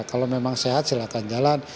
kalau memang sehat silahkan jalan